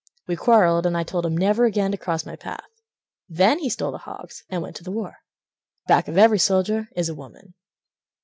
We quarreled and I told him never again To cross my path. Then he stole the hogs and went to the war— Back of every soldier is a woman.